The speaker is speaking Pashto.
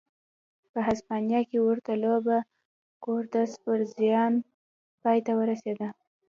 په هسپانیا کې ورته لوبه کورتس پر زیان پای ته ورسېده.